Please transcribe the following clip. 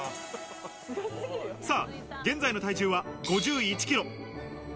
さあ、現在の体重は５１ｋｇ。